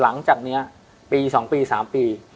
หลังจากนี้ปี๒ปี๓ปี